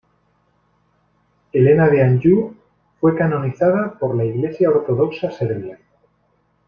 Helena de Anjou fue canonizada por la Iglesia ortodoxa serbia.